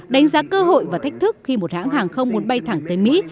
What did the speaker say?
đánh giá cơ hội và thách thức khi một hãng hàng không muốn bay thẳng tới mỹ